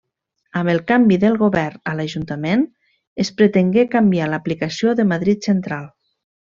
Amb el canvi del govern a l'ajuntament, es pretengué canviar l'aplicació de Madrid Central.